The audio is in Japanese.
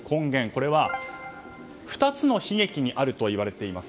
これは２つの悲劇にあるといわれています。